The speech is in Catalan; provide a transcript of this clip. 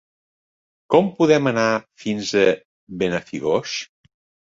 Com podem anar fins a Benafigos?